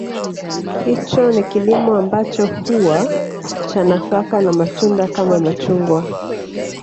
Hicho ni kilimo ambacho huwa cha nafaka na matunda Kama machungwa